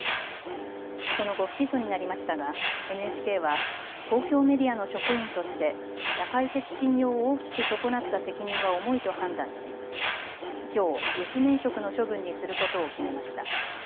その後、不起訴になりましたがＮＨＫは公共メディアの職員として社会的信用を大きく損なった責任は重いと判断しきょう諭旨免職の処分にすることを決めました。